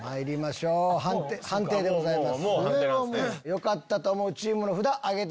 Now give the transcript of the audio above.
よかったと思うチームの札上げてください。